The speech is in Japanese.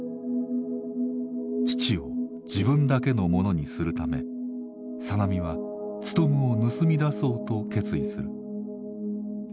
父を自分だけのものにするため小波はツトムを盗み出そうと決意する。